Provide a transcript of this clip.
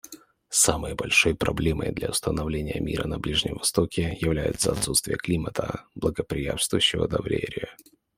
Самой большой проблемой для установления мира на Ближнем Востоке является отсутствие климата, благоприятствующего доверию.